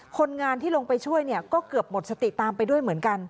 คนงานที่ลงไปช่วยเนี่ยก็เกือบหมดสติตามไปด้วยเหมือนกัน